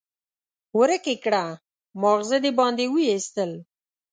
ورک يې کړه؛ ماغزه دې باندې واېستل.